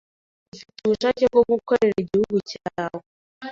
Ufite ubushake bwo gukorera igihugu cyawe